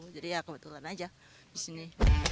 jadi ya kebetulan aja di sini